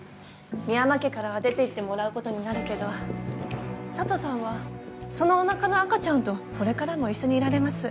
深山家からは出ていってもらうことになるけど佐都さんはそのおなかの赤ちゃんとこれからも一緒にいられます。